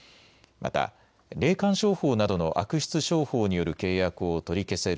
また霊感商法などの悪質商法による契約を取り消せる